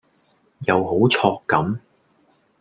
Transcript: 又好 chok 咁⠀⠀